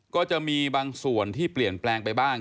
ก็จะมีบางส่วนที่เปลี่ยนแปลงไปบ้าง